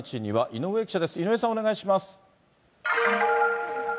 井上さん、お願いします。